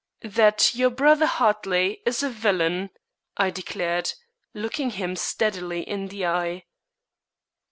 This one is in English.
"That your brother Hartley is a villain," I declared, looking him steadily in the eye.